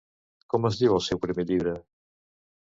Com es diu el seu primer llibre?